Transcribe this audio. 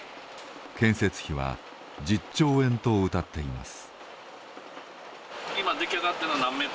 建設費は１０兆円とうたっています。